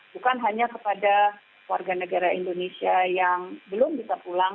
bukan hanya kepada warga negara indonesia yang belum bisa pulang